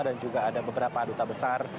dan juga ada beberapa aduta besar